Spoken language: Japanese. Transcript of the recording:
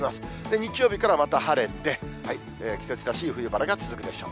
日曜日からまた晴れて、季節らしい冬晴れが続くでしょう。